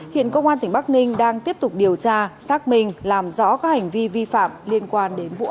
hiện công an tỉnh bắc ninh đang tiếp tục điều tra xác minh làm rõ các hành vi vi phạm liên quan đến vụ án